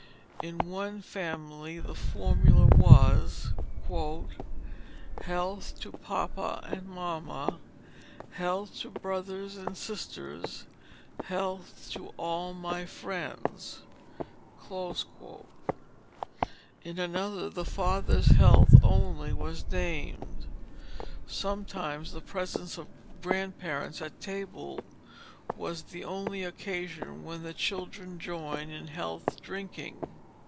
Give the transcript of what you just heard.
In one family the formula was, "Health to papa and mamma, health to brothers and sisters, health to all my friends." In another, the father's health only was named. Sometimes the presence of grandparents at the table was the only occasion when children joined in health drinking.